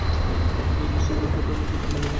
নরেন্দ্র সে ঘর হইতে অন্যত্র চলিয়া গেল।